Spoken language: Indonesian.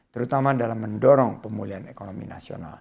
terutama dalam mendorong pemulihan ekonomi nasional